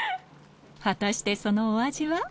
果たしてそのお味は？